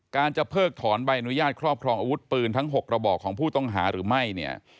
จะเพิกถอนใบอนุญาตครอบครองอาวุธปืนทั้ง๖ระบอกของผู้ต้องหาหรือไม่เนี่ย